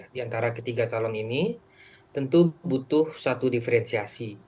di antara ketiga calon ini tentu butuh satu diferensiasi